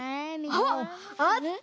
あっあった？